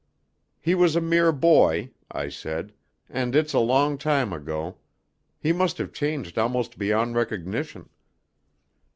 "He was a mere boy," I said, "and it's a long time ago. He must have changed almost beyond recognition."